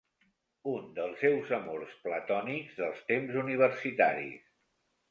Un dels seus amors platònics dels temps universitaris.